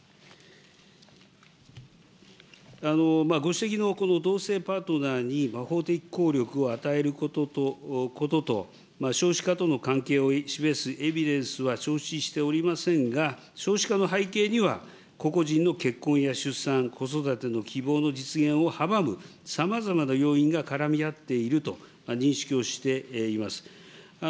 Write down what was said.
ご指摘のこの同性パートナーに法的効力を与えることと、少子化との関係を示すエビデンスは承知しておりませんが、少子化の背景には個々人の結婚や出産、子育ての希望の実現を阻むさまざまな要因が絡み合っていると認識をしています。